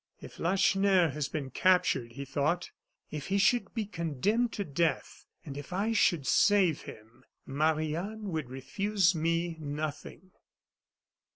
"If Lacheneur has been captured," he thought; "if he should be condemned to death and if I should save him, Marie Anne would refuse me nothing."